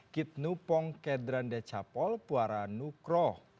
kit nupong kedran decapol puara nukroh